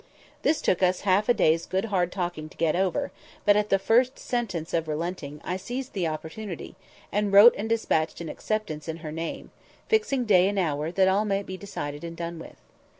This took us half a day's good hard talking to get over; but, at the first sentence of relenting, I seized the opportunity, and wrote and despatched an acceptance in her name—fixing day and hour, that all might be decided and done with.